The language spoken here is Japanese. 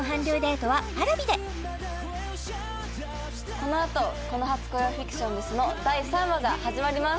このあと「この初恋はフィクションです」の第３話が始まります